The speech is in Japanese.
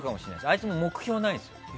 あいつも目標ないんです。